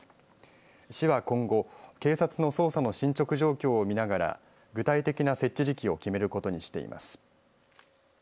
市は今後警察の捜査の進ちょく状況を見ながら具体的な設置時期を決めることにしています。